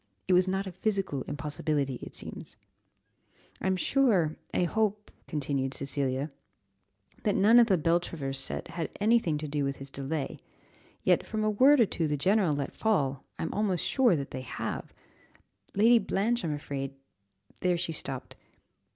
"It was not a physical impossibility, it seems." "I'm sure I hope," continued Cecilia, "that none of the Beltravers' set had any thing to do with his delay, yet from a word or two the general let fall, I'm almost sure that they have Lady Blanche, I'm afraid ." There she stopped.